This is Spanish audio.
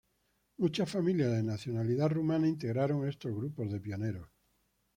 Muchas familias de nacionalidad rumana integraron estos grupos de pioneros.